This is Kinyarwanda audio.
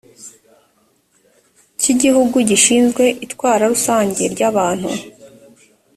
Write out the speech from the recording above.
cy igihugu gishinzwe itwara rusange ry abantu